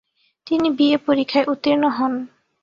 তিনি বিএ পরীক্ষায় উত্তীর্ণ হন।